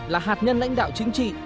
là hạt nhân lãnh đạo chính trị